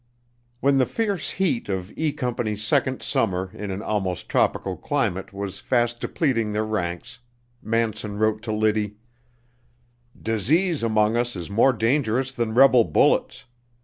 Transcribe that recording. When the fierce heat of E Company's second summer in an almost tropical climate was fast depleting their ranks, Manson wrote to Liddy: "Disease among us is more dangerous than rebel bullets.